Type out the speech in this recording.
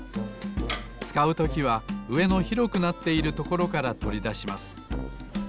つかうときはうえの広くなっているところからとりだします。